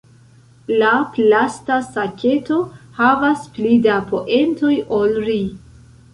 La plasta saketo havas pli da poentoj ol ri.